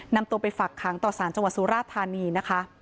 นำตัวไปฝักขังต่อสารจังหวัดสุราธานีนะคะ